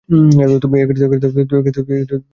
তুমি কোথা থেকে এসেছ?